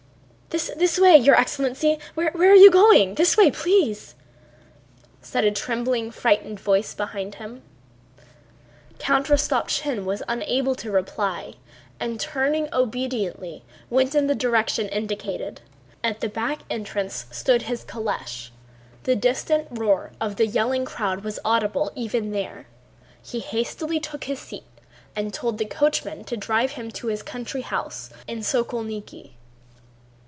"This way, your excellency... Where are you going?... This way, please..." said a trembling, frightened voice behind him. Count Rostopchín was unable to reply and, turning obediently, went in the direction indicated. At the back entrance stood his calèche. The distant roar of the yelling crowd was audible even there. He hastily took his seat and told the coachman to drive him to his country house in Sokólniki.